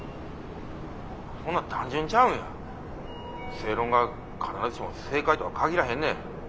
正論が必ずしも正解とは限らへんねん。